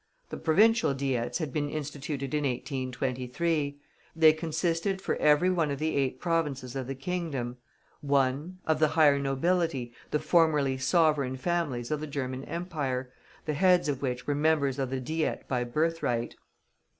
The Provincial Diets had been instituted in 1823. They consisted for every one of the eight provinces of the kingdom: (1) Of the higher nobility, the formerly sovereign families of the German Empire, the heads of which were members of the Diet by birthright.